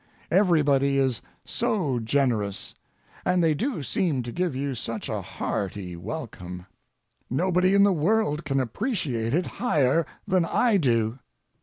Everybody is so generous, and they do seem to give you such a hearty welcome. Nobody in the world can appreciate it higher than I do.